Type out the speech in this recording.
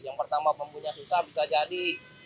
yang pertama bambunya susah bisa jadi